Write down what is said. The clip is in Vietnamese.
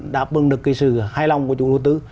đã bưng được cái sự hài lòng của chủ đầu tư